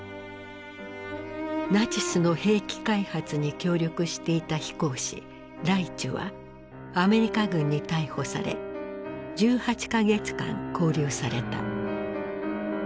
ナチスの兵器開発に協力していた飛行士ライチュはアメリカ軍に逮捕され１８か月間こう留された。